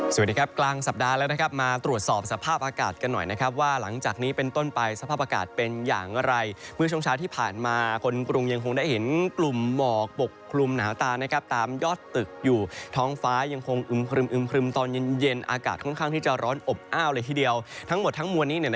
สวัสดีครับกลางสัปดาห์แล้วนะครับมาตรวจสอบสภาพอากาศกันหน่อยนะครับว่าหลังจากนี้เป็นต้นไปสภาพอากาศเป็นอย่างไรเมื่อช่วงเช้าที่ผ่านมาคนกรุงยังคงได้เห็นกลุ่มหมอกปกคลุมหนาวตานะครับตามยอดตึกอยู่ท้องฟ้ายังคงอึมครึมครึมตอนเย็นเย็นอากาศค่อนข้างที่จะร้อนอบอ้าวเลยทีเดียวทั้งหมดทั้งมวลนี้